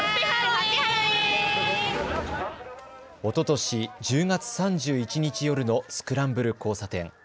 おととし１０月３１日夜のスクランブル交差点。